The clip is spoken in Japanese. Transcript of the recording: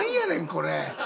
これ！